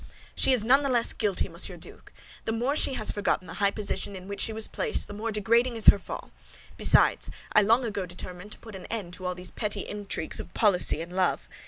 "She is not the less guilty, Monsieur Duke! The more she has forgotten the high position in which she was placed, the more degrading is her fall. Besides, I long ago determined to put an end to all these petty intrigues of policy and love.